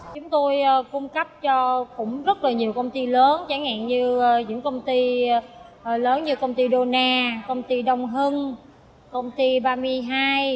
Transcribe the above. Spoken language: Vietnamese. chúng tôi cung cấp cho cũng rất là nhiều công ty lớn chẳng hạn như những công ty lớn như công ty dona công ty đông hưng công ty bami hai